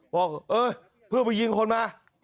บอกเออเพื่อไปยิงคนมา